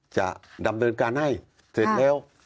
จะดำเนินการให้เสร็จแล้ว